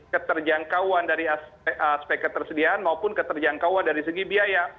keterjangkauan dari aspek ketersediaan maupun keterjangkauan dari segi biaya